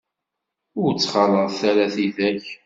Ur ttxalaḍ ara tidak.